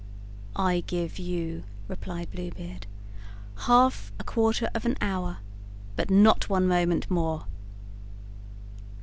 "I give you," replied Blue Beard, "half a quarter of an hour, but not one moment more."